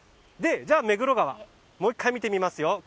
じゃあ目黒川もう１回見てみますよ。